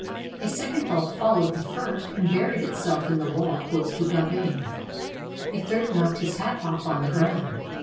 A sec ond ball followed the first and buried itself in the wall close to Gauvain. A third knocked his hat off on the ground.